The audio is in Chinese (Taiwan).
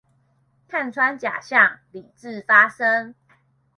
看穿假象、理智發聲